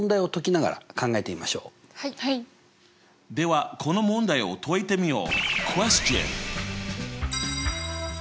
ではこの問題を解いてみよう！